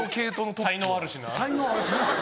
才能あるしな。